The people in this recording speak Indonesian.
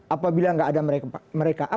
apabila nggak ada mereka